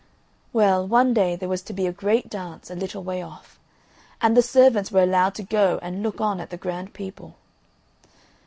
Well, one day there was to be a great dance a little way off, and the servants were allowed to go and look on at the grand people.